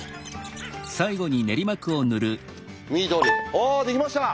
おできました！